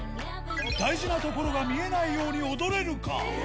大事な所が見えないように踊れるか。